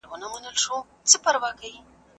غوسه د زده کړې موضوع ده.